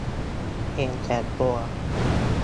เห็นแก่ตัว